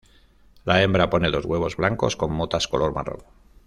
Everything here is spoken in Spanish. La hembra pone dos huevos blancos con motas color marrón.